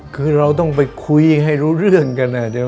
คือเราต้องไปคุยให้รู้เรื่องกัน